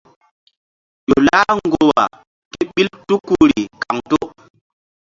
Ƴo lah ŋgorwa kéɓil tukuri kaŋto.